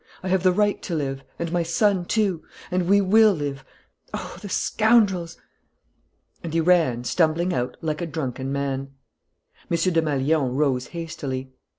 I have the right to live ... and my son, too.... And we will live.... Oh, the scoundrels! " And he ran, stumbling out, like a drunken man. M. Desmalions rose hastily.